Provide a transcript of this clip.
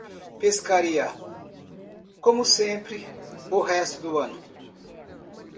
Pescaria, como sempre, o resto do ano.